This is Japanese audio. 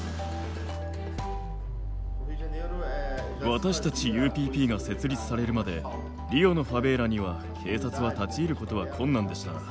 私たちＵＰＰが設立されるまでリオのファベーラには警察は立ち入ることは困難でした。